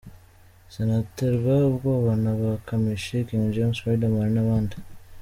Sinaterwa ubwoba na ba Kamichi, King James, Riderman n’abandi.